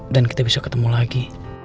kita bisa ketemu lagi